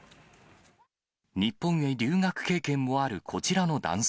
日本へ留学経験もあるこちらの男性。